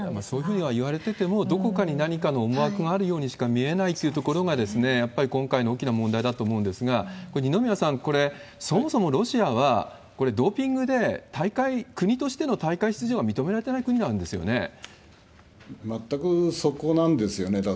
そういうふうにはいわれてても、どこかに何かの思惑があるようにしか見えないっていうところが、やっぱり今回の大きな問題だと思うんですが、これ、二宮さん、そもそもロシアは、ドーピングで大会、国としての大会出場は認められてない国なんで全くそこなんですよね。